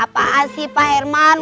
apa sih pak herman